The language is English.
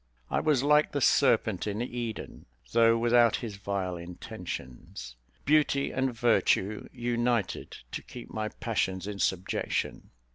I was like the serpent in Eden, though without his vile intentions. Beauty and virtue united to keep my passions in subjection.